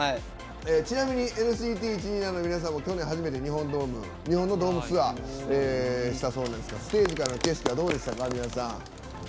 ちなみにＮＣＴ１２７の皆さんも去年初めて日本のドームツアーしたそうですがステージからの景色はどうでしたか？